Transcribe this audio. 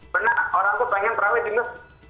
benar orang tuh pengen terawet juga